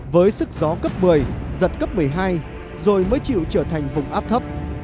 với sức gió cấp một mươi giật cấp một mươi hai rồi mới chịu trở thành vùng áp thấp